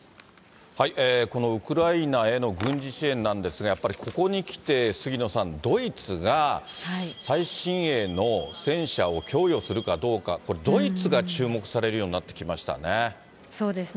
このウクライナへの軍事支援なんですが、やっぱりここにきて杉野さん、ドイツが最新鋭の戦車を供与するかどうか、これ、ドイツが注目されるようになってきましたね。